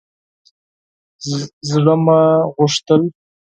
زړه مې غوښتل